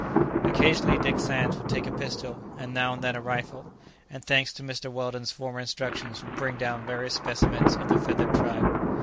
Occasionally Dick Sands would take a pistol, and now and then a rifle, and, thanks to Mr. Weldon's former instructions, would bring down various specimens of the feathered tribe.